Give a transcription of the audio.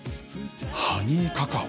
「ハニーカカオ」